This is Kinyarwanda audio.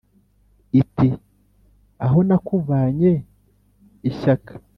iti: aho nakuvanye ishyaka